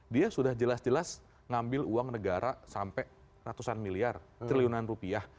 dia sudah jelas jelas ngambil uang negara sampai ratusan miliar triliunan rupiah